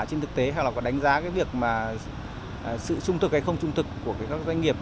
trên thực tế hay là có đánh giá cái việc mà sự trung thực hay không trung thực của các doanh nghiệp